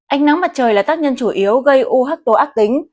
ánh nắng mặt trời là tác nhân chủ yếu gây u hắc tố ác tính